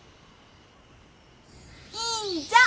いんじゃ！